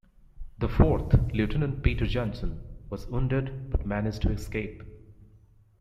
The fourth, Lieutenant Peter Johnson, was wounded but managed to escape.